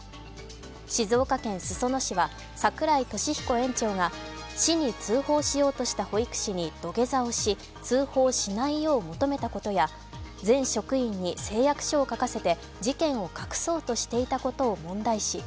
静岡県裾野市は櫻井利彦園長が市に通報しようとした保育士に土下座をし通報しないよう求めたことや全職員に誓約書を書かせて、事件を隠そうとしていたことを問題視。